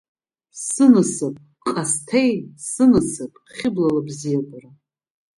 Сынасыԥ, Ҟасҭеи, сынасыԥ, Хьыбла лыбзиабара.